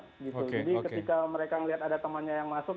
jadi ketika mereka melihat ada temannya yang masuk